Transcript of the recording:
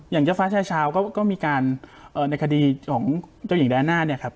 อย่างเจ้าฟ้าชาวชาวก็ก็มีการเอ่อในคดีของเจ้าหญิงด่านหน้าเนี่ยครับ